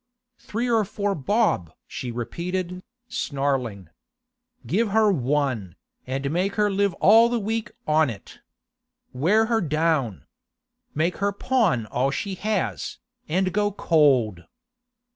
'Three or four bob!' she repeated, snarling. 'Give her one, and make her live all the week on it. Wear her down! Make her pawn all she has, and go cold!